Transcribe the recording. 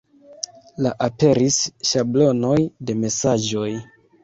La aperis ŝablonoj de mesaĝoj.